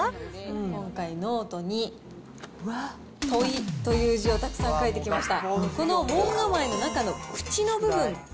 今回ノートに、問という字をたくさん書いてきました。